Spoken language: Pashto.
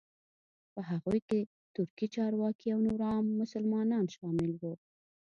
په هغوی کې ترکي چارواکي او نور عام مسلمانان شامل وو.